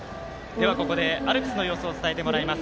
ここでアルプスの様子伝えてもらいます